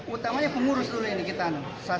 utamanya pengurus dulu ini kita